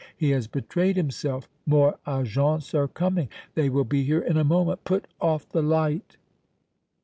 He has betrayed himself. More Agents are coming! They will be here in a moment! Put off the light!"